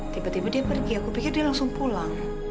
tiba tiba dia pergi aku pikir dia langsung pulang